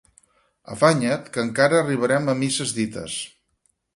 Afanya't, que encara arribarem a misses dites!